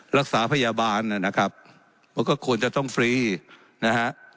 รักษาพยาบาลนะครับมันก็ควรจะต้องฟรีนะฮะ